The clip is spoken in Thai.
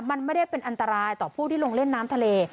มันไม่ได้เป็นอันตรายต่อผู้ที่ลงเล่นน้ำทะเล